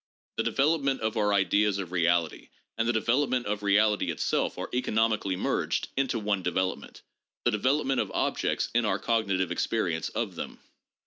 * The development of our ideas of reality and the development of reality itself are economically merged into one development, the development of objects in our cognitive experience of them.